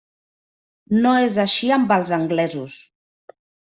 No és així amb els anglesos.